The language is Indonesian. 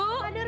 ibu bangun bu